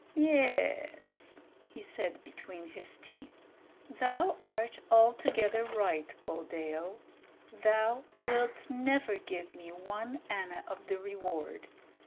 "Ye es," he said, between his teeth. "Thou art altogether right, Buldeo. Thou wilt never give me one anna of the reward.